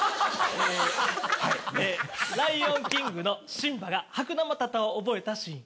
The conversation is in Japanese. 『ライオンキング』のシンバがハクナマタタを覚えたシーン。